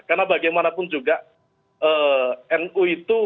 karena bagaimanapun juga nu itu